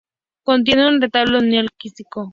Contiene un retablo neoclásico.